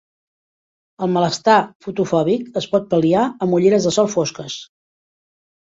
El malestar fotofòbic es pot pal·liar amb ulleres de sol fosques.